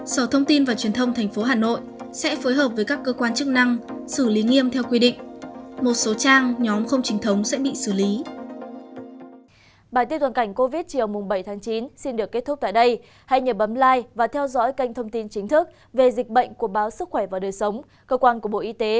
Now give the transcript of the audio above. sở thông tin và truyền thông thành phố hà nội sẽ phối hợp với các cơ quan chức năng xử lý nghiêm theo quy định một số trang nhóm không chính thống sẽ bị xử lý